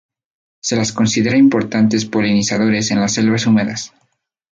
Se las considera importantes polinizadores en las selvas húmedas.